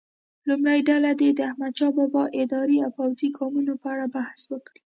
لومړۍ ډله دې د احمدشاه بابا اداري او پوځي ګامونو په اړه بحث وکړي.